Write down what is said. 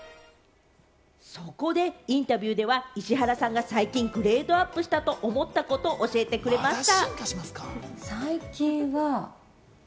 そこでインタビューでは石原さんが最近、グレードアップしたと思うことを教えてくれました。